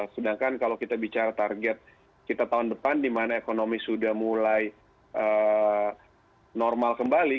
sedangkan kalau kita bicara target kita tahun depan di mana ekonomi sudah mulai normal kembali